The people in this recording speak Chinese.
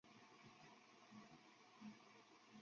法院裁定上述交易令伟仕的股价上升。